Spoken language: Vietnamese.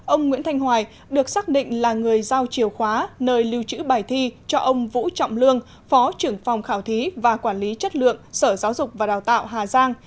ông nguyễn thanh hoài được xác định là người giao chìa khóa nơi lưu trữ bài thi cho ông vũ trọng lương phó trưởng phòng khảo thí và quản lý chất lượng sở giáo dục và đào tạo hà giang